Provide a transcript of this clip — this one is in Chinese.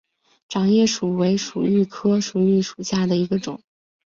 掌叶薯为薯蓣科薯蓣属下的一个种。